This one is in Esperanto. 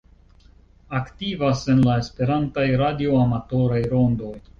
Aktivas en la esperantaj radioamatoraj rondoj.